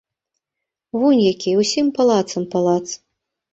Вунь які, усім палацам палац!